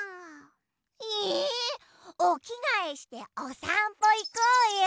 えおきがえしておさんぽいこうよ！